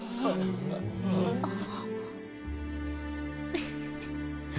ウフフフ。